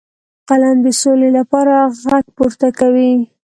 قلم د سولې لپاره غږ پورته کوي